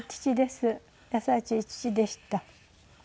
優しい父でした。